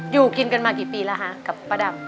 อยู่กินกันมากี่ปีแล้วคะกับป้าดำ